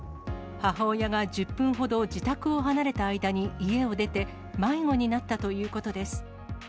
母親が１０分ほど自宅を離れた間に家を出て、迷子になったということです。